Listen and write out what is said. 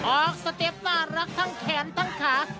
ออกสเต็ปน่ารักทั้งแขนทั้งขา